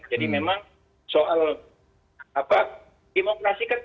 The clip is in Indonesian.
jadi memang soal